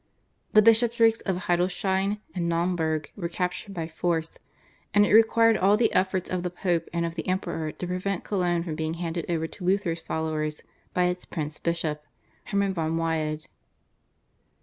The Bishoprics of Hildesheim and Naumburg were captured by force, and it required all the efforts of the Pope and of the Emperor to prevent Cologne from being handed over to Luther's followers by its prince bishop (Hermann von Wied).